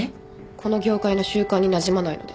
この業界の習慣になじまないので。